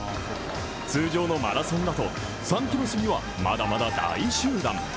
通常のマラソンだと３ｋｍすぎはまだまだ大集団。